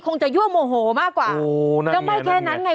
คงจะยั่วโมโหมากกว่าโอนั่นไงนั่นไงก็ไม่แค่นั้นไง